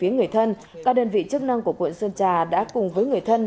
người thân các đơn vị chức năng của quận sơn trà đã cùng với người thân